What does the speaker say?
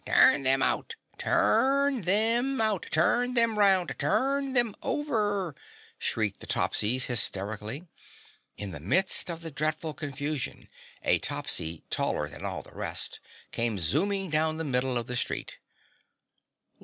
"Turn them out! Turn them in! Turn them round! Turn them over!" shrieked the Topsies hysterically. In the midst of the dreadful confusion, a Topsy taller than all the rest came zooming down the middle of the street.